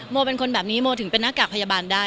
เป็นคนแบบนี้โมถึงเป็นหน้ากากพยาบาลได้